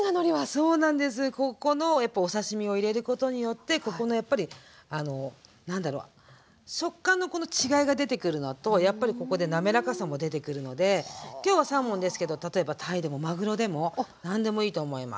ここのやっぱお刺身を入れることによってここのやっぱり何だろう食感のこの違いが出てくるのとやっぱりここで滑らかさも出てくるのできょうはサーモンですけど例えばタイでもマグロでも何でもいいと思います。